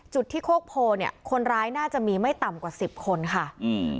จุดที่โคกโพเนี่ยคนร้ายน่าจะมีไม่ต่ำกว่าสิบคนค่ะอืม